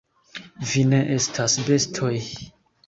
Vi ne estas bestoj!